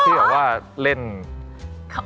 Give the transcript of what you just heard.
ที่หวัดเล่นหรอก